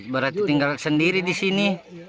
berarti tinggal sendiri di sini